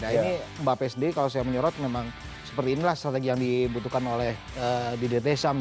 nah ini mbappe sendiri kalau saya menyorot memang seperti inilah strategi yang dibutuhkan oleh didetesham